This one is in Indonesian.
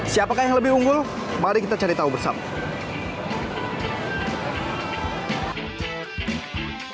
siapakah yang lebih unggul mari kita cari tahu bersama